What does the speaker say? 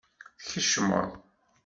Tkecmeḍ.